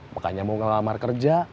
makanya mau ngelamar kerja